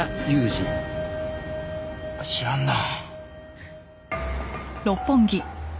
知らんなあ。